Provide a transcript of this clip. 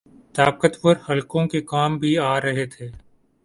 طاقتور حلقوں کے کام بھی آرہے تھے۔